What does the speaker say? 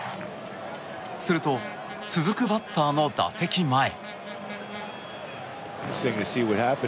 すると、続くバッターの打席前。